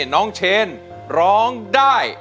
น้องเชนร้องได้